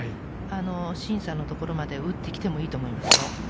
シンさんのところまで打ってきてもいいと思います。